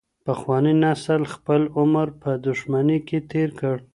پخواني نسل خپل عمر په دښمنۍ کي تیر کړ.